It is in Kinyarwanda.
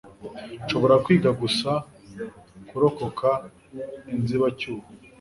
nshobora kwiga gusa kurokoka inzibacyuho